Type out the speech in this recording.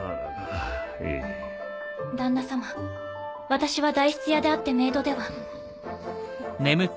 私は代筆屋であってメイドでは。